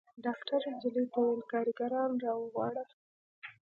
ډاکتر نجلۍ ته وويل کارګران راوغواړه.